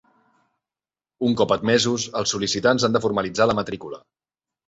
Un cop admesos, els sol·licitants han de formalitzar la matrícula.